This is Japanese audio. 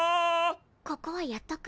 ここはやっとく？